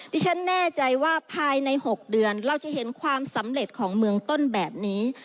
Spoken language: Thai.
ที่ฉันแน่ใจว่าภายใน๖เดือนเราจะเห็นความสำเร็จของเมืองต้นแบบนี้